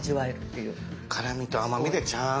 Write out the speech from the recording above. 辛みと甘みでちゃんと。